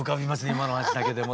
今のお話だけでも。